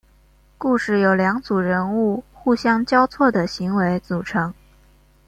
故事由两组人物互相交错的行为组成。